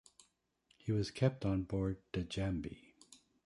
He was kept on board "Djambi".